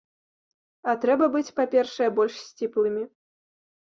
А трэба быць, па-першае, больш сціплымі.